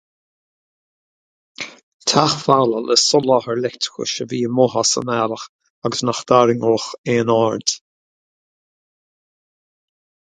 Teach folamh le soláthar leictreachais a bhí amuigh as an mbealach agus nach dtarraingeodh aon aird.